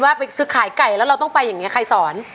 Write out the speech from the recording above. ไปซื้อขายไก่แล้วเราต้องไปอย่างนี้ใครสอน